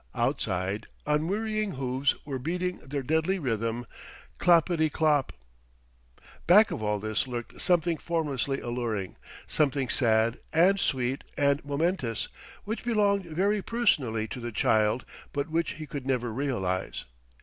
Outside, unwearying hoofs were beating their deadly rhythm, cloppetty clop.... Back of all this lurked something formlessly alluring, something sad and sweet and momentous, which belonged very personally to the child but which he could never realize.